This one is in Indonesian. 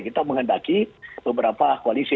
kita menghendaki beberapa koalisi